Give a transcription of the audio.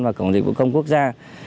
và cổng dịch vụ công quốc gia